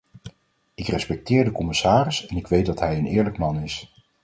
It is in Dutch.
Ik respecteer de commissaris en ik weet dat hij een eerlijk man is.